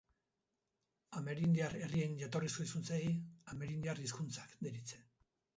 Amerindiar herrien jatorrizko hizkuntzei amerindiar hizkuntzak deritze.